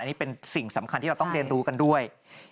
นี่เป็นสิ่งสำคัญที่เราต้องเรียนรู้กันด้วย